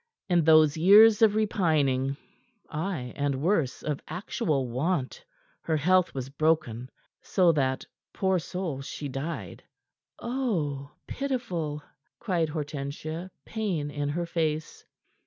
In those years of repining ay, and worse, of actual want her health was broken so that, poor soul, she died." "O pitiful!" cried Hortensia, pain in her face.